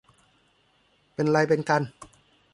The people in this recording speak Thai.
เป็นไรเป็นกัน